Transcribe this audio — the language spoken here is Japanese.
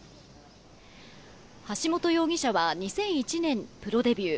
橋本容疑者は２００１年にプロデビュー。